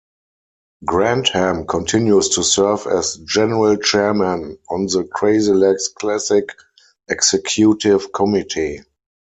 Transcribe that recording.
Grantham continues to serve as general chairman on the Crazylegs Classic Executive Committee.